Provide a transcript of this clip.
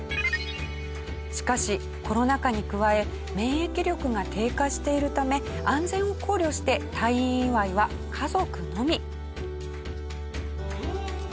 しかしコロナ禍に加え免疫力が低下しているため安全を考慮して退院祝いは家族のみ。